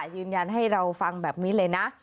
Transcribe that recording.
ยืนยันให้เราฟังแบบนี้เลยนะ